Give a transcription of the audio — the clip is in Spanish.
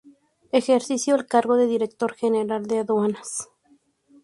Ejerció el cargo de Director General de Aduanas.